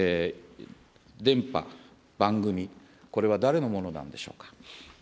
電波、番組、これは誰のものなんでしょうか。